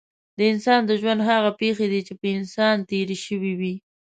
د انسان د ژوند هغه پېښې دي چې په انسان تېرې شوې وي.